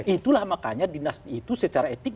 itulah makanya dinasti itu secara etik